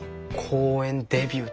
公園デビュー？